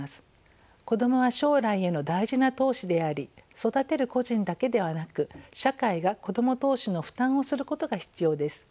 子どもは将来への大事な投資であり育てる個人だけではなく社会が子ども投資の負担をすることが必要です。